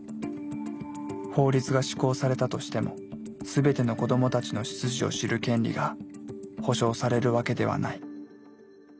法律が施行されたとしても全ての子どもたちの出自を知る権利が保障されるわけではない。